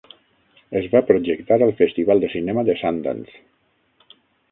Es va projectar al Festival de Cinema de Sundance.